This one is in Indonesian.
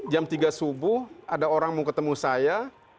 jam tiga subuh ada orang mau ketemu saya